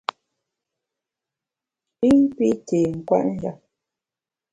I pi té nkwet njap.